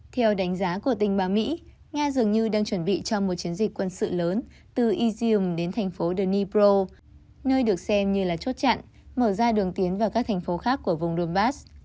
theo đánh giá của tình báo mỹ nga dường như đang chuẩn bị cho một chiến dịch quân sự lớn từ isium đến thành phố dnipro nơi được xem như là chốt chặn mở ra đường tiến vào các thành phố khác của vùng donbass